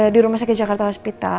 di rumah sakit jakarta hospita